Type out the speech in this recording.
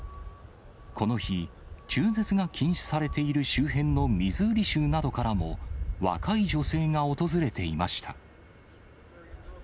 この日、中絶が禁止されている周辺のミズーリ州などからも、若い女性が訪れていました。